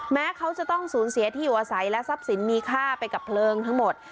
แม้เขาจะต้องสูญเสียที่อยู่อาศัยและทรัพย์สินมีค่าไปกับเพลิงทั้งหมด